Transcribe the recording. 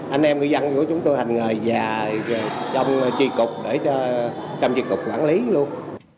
anh em người dân của chúng tôi hành nghề và trong trì cục để cho trong trì cục quản lý luôn